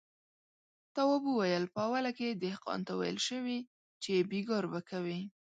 تواب وويل: په اوله کې دهقان ته ويل شوي چې بېګار به کوي.